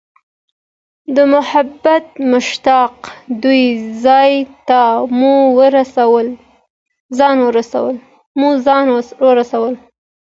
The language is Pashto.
د محبوب مشتاق دوی ځای ته مو ځان ورساوه.